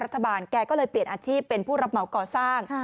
แกก็เลยเปลี่ยนอาชีพเป็นผู้รับเหมาก่อสร้าง